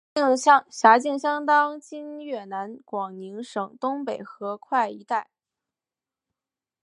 辖境相当今越南广宁省东北河桧一带。